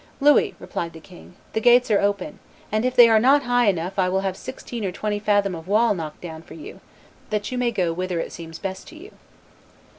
"Louis," replied the king, "the gates are open, and if they are not high enough I will have sixteen or twenty fathom of wall knocked down for you, that you may go whither it seems best to you."